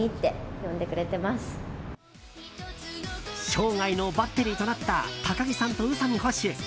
生涯のバッテリーとなった高城さんと宇佐見捕手。